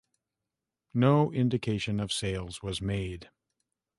No indication of sales was made.